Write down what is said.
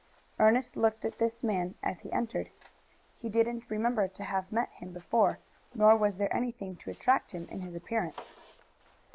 Ernest looked at this man as he entered. He didn't remember to have met him before, nor was there anything to attract him in his appearance.